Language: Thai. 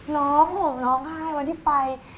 ร้องโหน้องไห้วันที่ไป